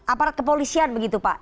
aparat kepolisian begitu pak